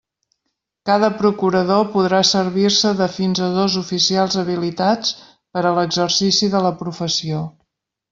Cada procurador podrà servir-se de fins a dos oficials habilitats per a l'exercici de la professió.